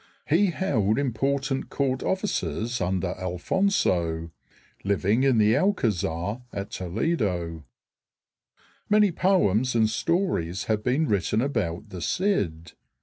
He held important court offices under Alfonso, living in the Alcázar at Toledo. Many poems and stories have been written about the Cid.